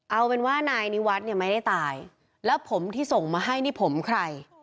เอาเป็นว่านายนิวัฒน์เนี่ยไม่ได้ตายแล้วผมที่ส่งมาให้นี่ผมใคร